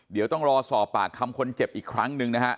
เดี๋ยวต้องรอสอบปากคำคนเจ็บอีกครั้งหนึ่งนะฮะ